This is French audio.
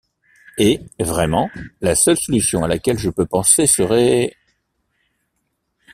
Et, vraiment, la seule solution à laquelle je peux penser serait...